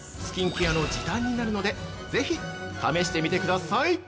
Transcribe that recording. スキンケアの時短になるのでぜひ試してみてください。